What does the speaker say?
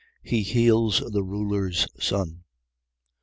He heals the ruler's son.